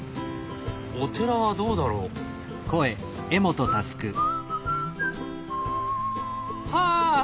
お寺はどうだろう？はあ！